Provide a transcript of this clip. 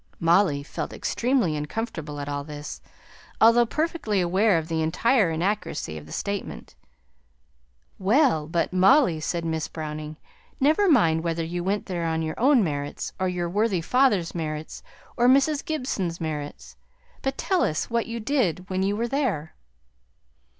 Molly felt extremely uncomfortable at all this, though perfectly aware of the entire inaccuracy of the statement. "Well, but, Molly!" said Miss Browning, "never mind whether you went there on your own merits, or your worthy father's merits, or Mrs. Gibson's merits; but tell us what you did when you were there."